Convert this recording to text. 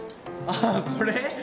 ああこれ？